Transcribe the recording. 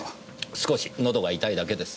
少し喉が痛いだけです。